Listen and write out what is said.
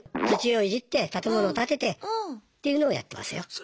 土をいじって建物建ててっていうのをやってますよ。